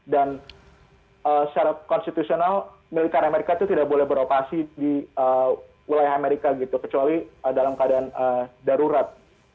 dan secara konstitusional militer amerika itu tidak boleh beroperasi di wilayah amerika gitu kecuali dalam keadaan darurat